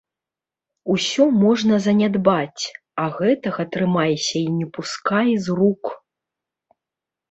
Усё можна занядбаць, а гэтага трымайся і не пускай з рук.